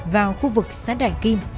vào khu vực sát đại kim